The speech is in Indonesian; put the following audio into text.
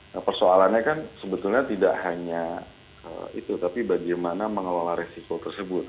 nah persoalannya kan sebetulnya tidak hanya itu tapi bagaimana mengelola resiko tersebut